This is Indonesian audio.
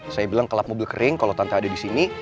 saya bilang ke lap mobil kering kalau tante ada disini